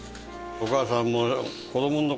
お母さんも。